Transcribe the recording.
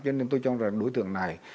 cho nên tôi cho rằng đối tượng này